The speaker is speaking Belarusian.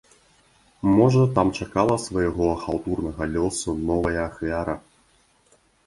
Можа, там чакала свайго хаўтурнага лёсу новая ахвяра.